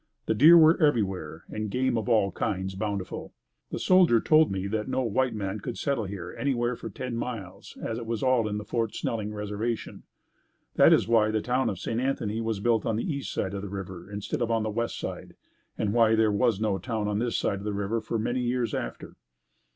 The deer were everywhere and game of all kinds bountiful. The soldier told me that no white man could settle here anywhere for ten miles as it was all in the Fort Snelling reservation. That is why the town of St. Anthony was built on the east side of the river instead of on the west side and why there was no town on this side of the river for many years after.